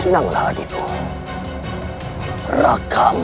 itu itu untuk kau